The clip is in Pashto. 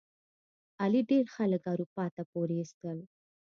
علي ډېر خلک اروپا ته پورې ایستل.